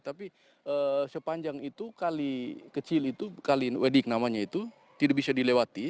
tapi sepanjang itu kali kecil itu kali wedik namanya itu tidak bisa dilewati